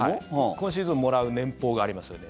今シーズンもらう年俸がありますよね。